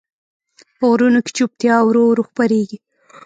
په غرونو کې چوپتیا ورو ورو خپرېږي.